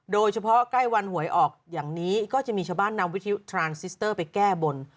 ใกล้วันหวยออกอย่างนี้ก็จะมีชาวบ้านนำวิทยุทรานซิสเตอร์ไปแก้บน